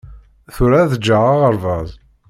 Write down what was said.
Tura ad ǧǧeɣ aɣerbaz